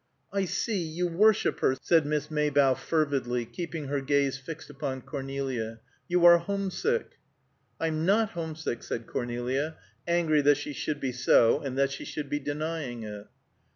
"I see, you worship her," said Miss Maybough fervidly, keeping her gaze fixed upon Cornelia. "You are homesick!" "I'm not homesick!" said Cornelia, angry that she should be so and that she should be denying it.